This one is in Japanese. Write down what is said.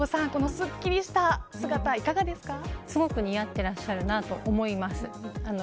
すっきりした姿、いかすごく似合っているなと思います。